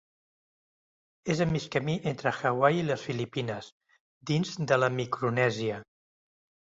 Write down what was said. És a mig camí entre Hawaii i les Filipines, dins de la Micronèsia.